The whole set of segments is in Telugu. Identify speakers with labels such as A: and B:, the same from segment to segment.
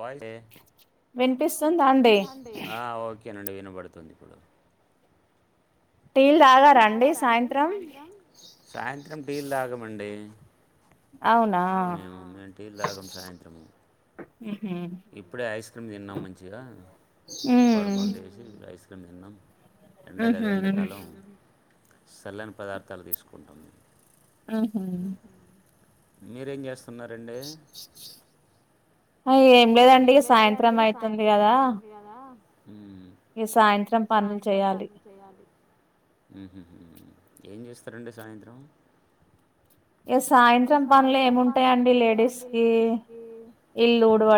A: ఒక్క వినిపిస్తుందా అండి ఆ ఓకేనండి. విని వినబడుతుంది ఇప్పుడు టీల్ తాగారాండి సాయంత్రం? సాయంత్రం టీలు తాగమండి. మేము మేమ్ టీల్ తాగం సాయంత్రము ఇప్పుడే ఐస్ క్రీమ్ తిన్నాం మంచిగా పడుకుంటేసి ఐస్ మొత్తం తిన్నం ఎండగద ఎండాకాలం చల్లని పదార్థాలు తీసుకుంటాం మేం
B: మ్మ్ హ్మ్
A: మీరేం చేస్తా తిన్నారండి
B: హా ఏం లేదండి సాయంత్రం అయితుంది కదా ఈ సాయంత్రం పనులు చేయాలి
A: హ్మ్ మ్మ్ ఏం చేస్తారండి సాయంత్రం సాయంత్రం పనులు ఏమింటాయండి లేడీస్ కి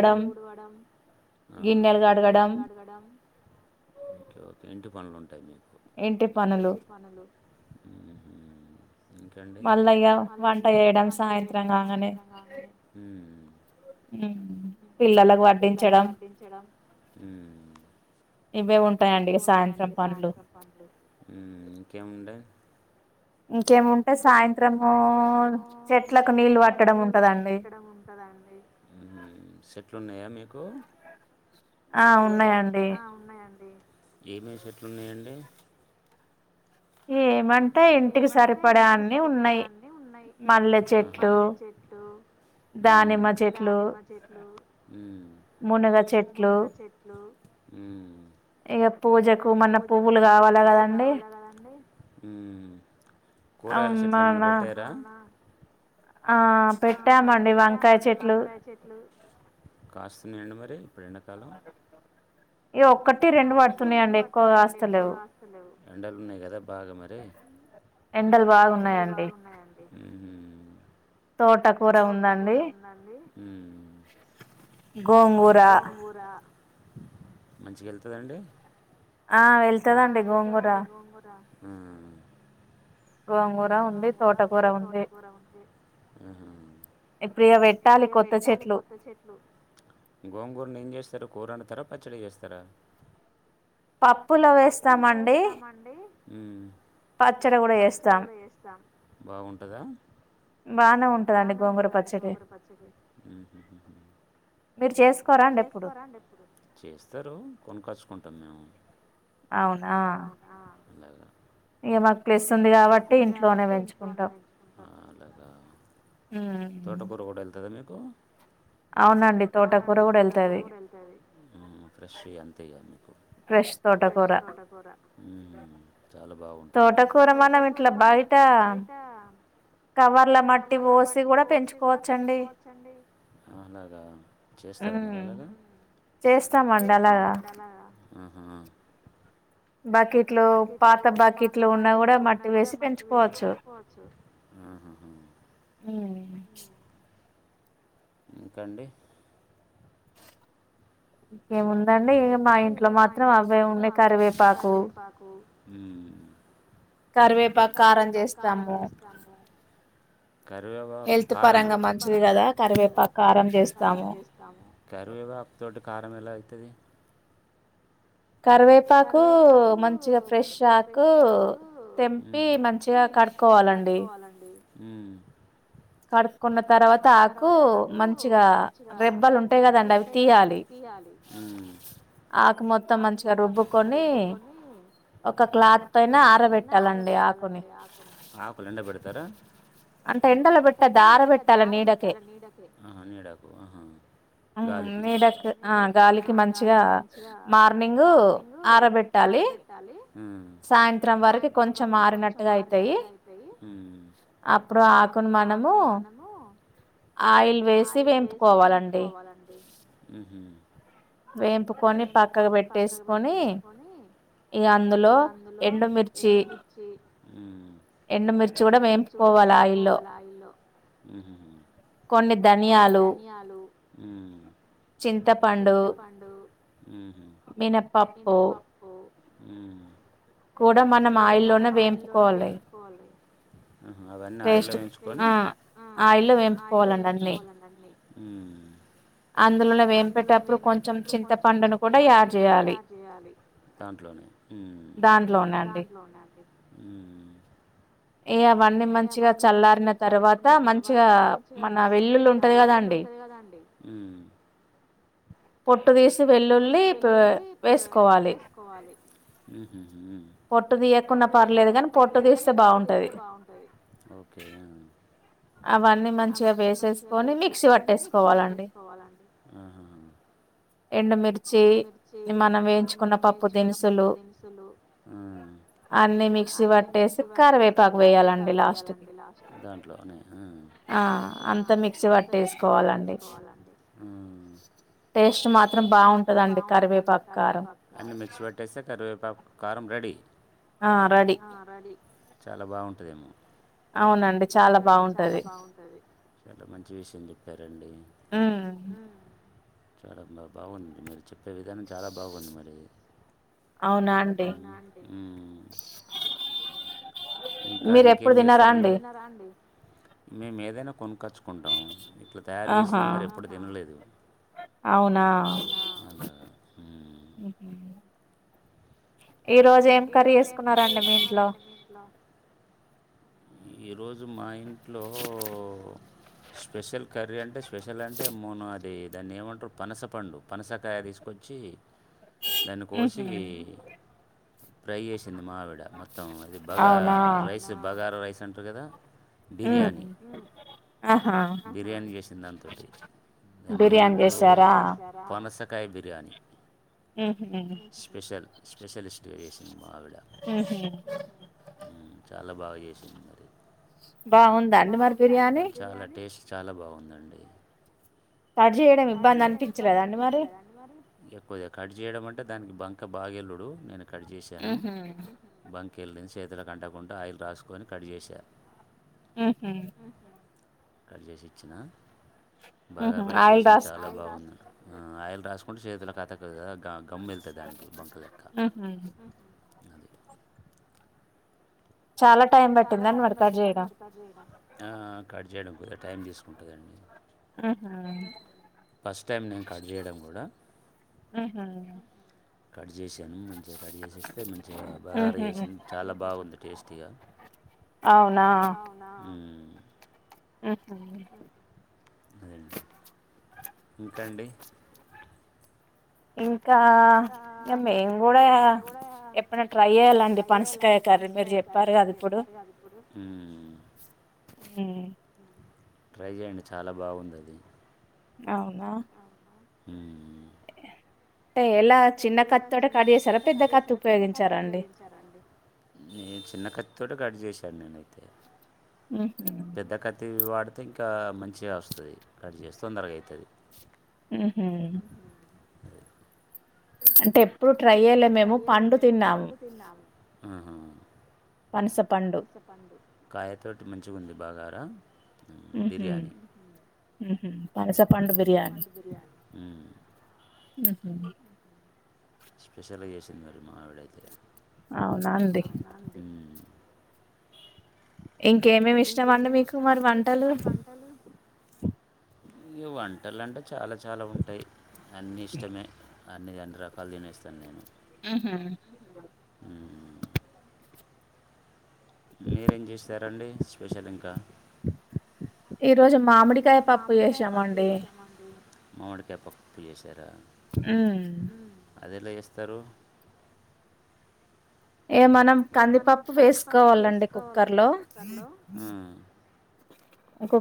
A: ఇల్లు ఉడ్వడం గిన్నెలు గడగడం పనులుంటాయి మీకు ఇంటి పనులు
B: మల్ల ఇగా వంట చేేయడం
A: వంట చేయడం సాయంత్రం కాగానే పిల్లలకు వడ్డించడం ఇవే ఉంటాయండి సాయంత్రం పనులు ఇంకేముంటే సాయంత్రము చెట్లకు నీళ్లు పట్టట్టడం ఉంటదండి కు
B: ఆ అవును
A: ఆ ఉన్నాయండి ఏమేమీ చెట్లు ఉన్నాయండి
B: ఏ
A: ఏమంటే ఇంటికి సరిపడే అన్ని ఉన్నాయి మల్లె చెట్లు, దానిమ్మ చెట్లు, మునగ చెట్లు ఇగా పూజకు మన పువ్వులు కావాలా కదండి. మ్మ్ కూరగాయల చెట్లు ఏమన్నా పెట్టారా
B: ఆ పెట్టామండి వంకాయ చెట్లు
A: ఉన్నాయి అండి మరి ఇప్పుడు ఎండాకాలం ఎండలు ఉన్నాయి కదా బాగా మరి తోటకూర ఉందండి గోంగూర మంచిగా వెళ్తు దండి
B: ఆ వెళ్తాదండి గోంగూర
A: హ్మ్ గోంగూర ఉంది తోట కూర హ్మ్ హు ఇప్పుడు ఇగ పెట్టాలి కొత్త చెట్లు గోంగూరను ఏం చేస్తారు కూర వండుతారా పచ్చడి చేస్తారా పప్పులో వేస్తామండి హ్మ్ పచ్చడి కూడా చే బాగుంటదా బానే ఉంటదండి గోంగూర పచ్చడి హ్మ్ హ్మ్ హు మీరు చేసుకోరా అండి ఎప్పుడు చేస్తారు కొనకచ్చు టం మేము
B: అవునా ఇగ మాకు ప్లస్ ఉంది కాబట్టి ఇంట్లో
A: కాబట్టి ఇంట్లోనే పెంచుకుంటా అలాగా తోటకూర కూడా వెళ్తూ మీకు అవునండి తోటకూర కూడా వెళ్తది ఫ్రెష్ అంతే అ ఫ్రెష్ తోటకూర హ్మ్ చాలా బాగుంటది హ్మ్ తోటకూర మత ఇట్ల బయట కవర్ల మట్టి పోసి కూడా పెంచుకోవచ్చండి అలాగా చేస్తారా మీరు అలాగా చేస్తామండి అలాగ ఆహా బకెట్లు పాత బకెట్లు ఉన్నా కూడా మట్టి వేసి పెంచుకోవచ్చు ఇంకా అండి
B: ఏముందండి ఇంకా మా ఇంట్లో మాత్రం అవే ఉన్నాయి కరివేపాకు
A: హ్మ్ హ్మ్
B: కరివేపాకు కారం చేస్తాము
A: కరివేపాకు కారమా హెల్త్ పరంగా మంచిది కదా కరివేవాకు కారం చేస్తాము కరివేపాకుతోటి కారం ఎలా అయితది కరివేపాకు మంచిగా ఫ్రెష్ ఆకు తెంపి మంచిగా కడుక్కోవాలండి హ్మ్
B: కడుక్కున్న తర్వాత ఆకు మంచిగా రెబ్బలు ఉంటాయి కదండి అవి తీయాలి ఆకు మొత్తం మంచిగా
A: ఎంత మంచిగా రుబ్బుకొని ఒక క్లాత్ పైన ఆరబెట్టాలండి ఆకు ఆకులు ఎండ పెడతారా ఎండల పెట్టద్దు ఆరపెట్టాల నీడకి ఆహా నీడకు అహా గాలికి హ్మ్ నీడ ఆ గాలికి మంచిగా మార్నింగ్ ఆరబెట్టాలి హ్మ్ సాయంత్రం వరకు కొంచెం ఆరినట్టుగా అయితాయి అప్పుడు ఇప్పుడు మనము ఆయిల్ వేసి వేంపుకోవాలండి హ్మ్ హు వేంపుకొని పక్కకు పెట్టేసుకొని ఇగ అందులో ఎండుమిర్చి హ్మ్ ఎండుమిర్చి కూడా ఏంపుకోవాలి ఆయిల్లో ఉహ కొన్ని ధనియాలు చింతపండు ఊహు మినపప్పు కూడా మనం ఆయిల్లోనే వేంపుకో అవన్నీ ఆయిల్ లో వేయించుకొని ఆయిల్లో వేపుకోవాలి అవన్నీ అందులోనే వేంపేటప్పుడు కొంచెం చింతపండు ను కూడా యాడ్ చేయాలి దాంట్లో నే దాంట్లోనే ఆండీ
B: ఇగా అవన్నీ మంచిగా చల్లారిన తరువాత మంచిగా మన వెల్లుల్లి ఉంటది కదాండి పొట్టు తీస్
A: పొట్టు తీసి వెల్లుల్లి వేసుకోవాలి పొట్టు తీయకుండా పర్లే పొట్టు తీస్తే బాగుంటుంది అవన్నీ మంచిగా వేసేసుకొని మిక్సీ పట్టేసుకోవాలండి ఎండుమిర్చి మనం వేయించుకున్న పప్పు దినుసులు అన్ని మిక్స పట్ట వే కరివేపాకు వేయాలండి లాస్ట్ దాంట్లో అంతా మిక్సీ పట్టి వేసుకోవాలండి టేస్ట్ మాత్రం బాగుంటండి కరివేపాకు కారం అన్ని మిక్స్ పట్టేస్తే కరివేపా తక్ కారం రెడీ ఆ రేడీ చాలా బాగుంటుందేమో అవునండి చాలా బాగుంటది చాలా మంచి విషయం చెప్పారండి సర [unintelligible] బాగుందండి మరి చెప్పే విధానం చాలా బాగుంది మరి అవునా అండి ఇంకా ఇంకేం చేస్తారండి మే ఏదైనా కొనుక్కాచ్చుకుంటాము ఇట్లా తయారు చేసినవి మరి ఎప్పుడు తినలేదు అవునా
B: ఈ రోజు ఏం కర్రీ వేసుకున్నండి మీ ఇంట్లో
A: ఈరోజు మా ఇంట్లో స్పెషల్ కర్రీ అంటే స్పెషల్ అంటే మూన అది దాన్ని ఏమంటారు పనసపండు పనసకాయ తీసుకొచ్చి దాన్ని కోసి ఫ్రై చెస్ వచ్చింది మా ఆవిడ మొత్తం ఇది బగ రైస్ బగార రైస్ తింటారు కదా బిర్యాని బిర్యానీ చేసింది దాంతో టి దాన్ని ఏమంటారు పనస కాయ బిర్యానీ స్పెషల్ స్పెషలిస్ట్ ఎస్సింది మావిడ హ్ చాలా బాగా చేసింది మరి చాలా టే టేస్ చాలా బాగుందండి ఎప్పులే కడ్జేయడ మంటే దానికి బంక్ కా బాగేల్లుడు నేనెక్ కడ్జేశాను బంక్ కేళ్ళింద్ చేతుల కంటకుంటా ఆయిల్ రాసుకొని కడ్జేసా హ్ హ్మ్ కడ్జేసిచ్చినా బగరైస్ చేసింది చాలా బాగుంది. ఆ ఆయిల్ రాసు మూడ్సేతుల [unintelligible] అది కా గమ్మేల్తది దానికి బంక లెక్క ఆ కడ్జెడం [unintelligible] టైం దిస్కుంటదండి
B: ఉహు ఉహు
A: కడ్జ్ జేసాను మంచిగా కడ్జేసేస్తే మంచిగా. బగార జేస్నం చాలా బాగుంది టేస్టీగా. హమ్
B: ఊహు ఇంకా ఇంగ మేముకూడా ఎప్పుడన్ ట్రై జేలండీ. పనసకాయ కర్రీ మీరు జెప్పార్ గదిప్పుడు హ్మ్
A: ట్రై జేయండి చాలా బాగుందది
B: అవునా
A: హ్మ్ మ్ నేన్ చిన్న కత్తోటే కడ్జెస్ డన్నానైతే పెద్ద కత్తి వాడ్ తే ఇంకా మంచిగా వస్తది కాడ్జేస్ తొందరగైతది
B: ఉహూ అంటేప్
A: ఆహా కాయతోటి మంచిగుంది బాగారా
B: ఉహు ఉహు పనసపండు బిర్యానీ
A: స్పెషల్ గా చేసింది మరి మావిడైతే
B: అవునాండి ఇంకేమేమి ఇష్టామండి మీకు మరి వంటలు
A: ఈ వంటలంటే చాలా చాలా ఉంటయ్ అన్నీ ఇష్టమే అన్ని రకాల పళ్ళు తినేస్తాను నేను
B: ఆహా
A: మీరేం చేస్తారండి స్పెషల్ ఇంకా ఈరోజు మామిడికాయ పప్పు చేశామండీ. మామిడికాయ పప్పు ఎట్లా చెస్ తర అది ఎలా చేస్తారు
B: ఏ మనం కందిపప్పు వేసుకోవాలండి కుక్కర్ లో ఒక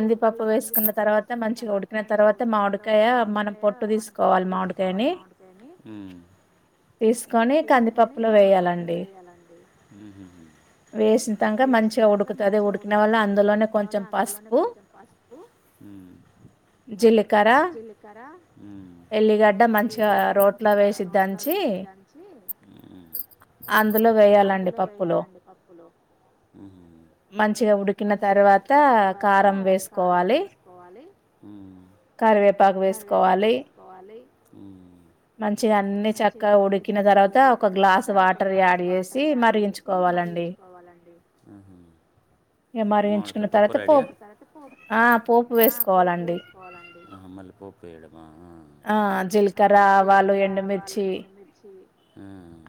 A: కుక్కర్ లో కందిపప్పు వేసుకున్న తర్వాత మంచిగా ఉడికిన తర్వాత మామిడికాయ మనం పొట్టు తీసుకోవాలి మామిడికాయని ఉమ్.. తీసుకొని కందిపప్పులో వేయాలండి ఉమ్ వేసిన తరువత మంచిగా ఉడుకి
B: అందులోనే కొంచం పసుపు
A: కొంచెం పసుపు ఉమ్ జీలకర్ర ఉమ్ ఎల్లిగడ్డ మంచిగా రోట్లో వేసి దంచి ఉమ్ అందులో వేయాలండి పప్పులు ఉమ్
B: కిన తర్వాత కా వేసుకోవాలి
A: హ్మ్
B: కరివేపాకు వేసుకోవాలి
A: ఉమ్ [inaudible] మంచి అన్ని చక్కగా ఉడికిన తర్వాత ఒక గ్లాస్ వాటర్ యాడ్ చేసి మరిగించుకోవాలింది ఉమ్ మామిడికాయ పప్పు రెడీ ఆ ఆ పోపు వేసుకోవాలండిఆ మల్లి పోపు వేయడం
B: ఆ జీలకర్ర ఆవాలు ఎండుమిర్చి
A: ఉమ్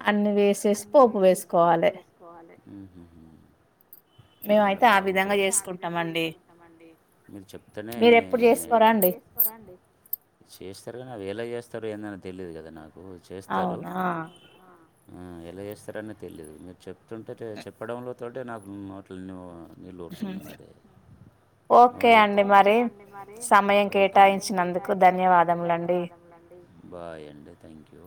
A: అన్ని వేసేసి పోపు వేసుకోవాలి ఉహ [inaudible]
B: మేమయితే ఆ విధంగా చేసుకుంటాం అండి
A: మీరు చెప్తనే మీరు ఎప్పుడు చేసుకోరండి, చేస్తారు కానీ అవి ఎలా చేస్తారు ఇస్తారు ఏనా తెలియదు కదా నాకు
B: అవునా
A: ఎలా చేస్తారనేది తెలియదు మీరు చెప్తుంటే చెప్పడంలో తోటే నాకు నాట్లో ను నీళ్ళురుతున్న మరి నొరురుతుండండి ఓకేండి మరి సమయాము కేటాయించినందుకు ధన్యవాదముండి, బాయ అడి.. థాంక్యూ